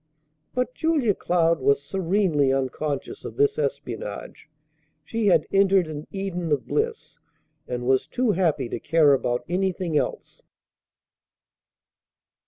But Julia Cloud was serenely unconscious of this espionage. She had entered an Eden of bliss, and was too happy to care about anything else.